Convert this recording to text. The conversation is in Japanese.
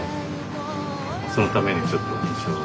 そのためにちょっと印象を。